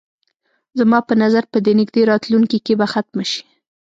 زما په نظر په دې نږدې راتلونکي کې به ختمه شي.